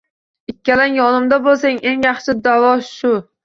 Ikkalang yonimda bo‘lsang eng yaxshi davo – shu”